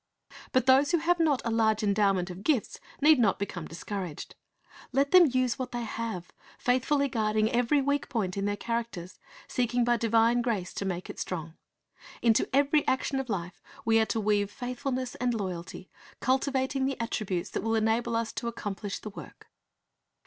But those who have not a large endowment of gifts need not become discouraged. Let them use what they have, faithfully guarding every weak point in their characters, seeking by divine grace to make it strong. Into every action of life we arc to weave faithfulness and lo}'alty, cultivating the attributes that will enable us to accomplish the work.